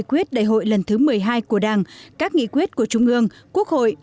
nghị quyết đại hội lần thứ một mươi hai của đảng các nghị quyết của trung ương quốc hội